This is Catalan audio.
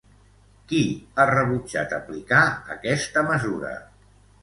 Qui ha rebutjat aplicar aquesta mesura?